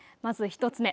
まず１つ目。